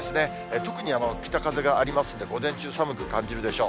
特に北風がありますので、午前中、寒く感じるでしょう。